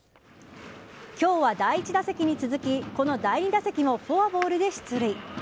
今日は第１打席に続きこの第２打席もフォアボールで出塁。